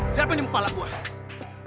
siapa yang nipuk kepala gue